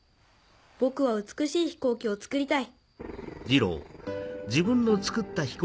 僕は美しい飛行機をつくりたい。